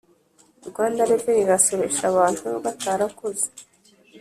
Rwanda revenue irasoresha abantu batarakoze